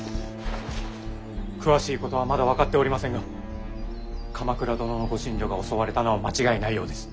詳しいことはまだ分かっておりませんが鎌倉殿のご寝所が襲われたのは間違いないようです。